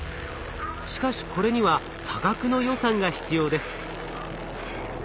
しかしこれには多額の予算が必要です。